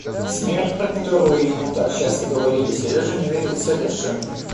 В смерть, про которую ему так часто говорили, Сережа не верил совершенно.